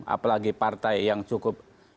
apalagi partai yang cukup